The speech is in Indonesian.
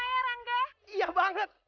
gak ada waktu